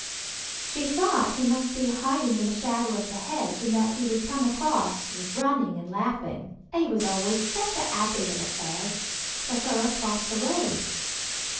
She thought he must be hiding in the shadow of the hedge, and that he would come running and laughing—"he was always such a happy little fellow"—to her across the road.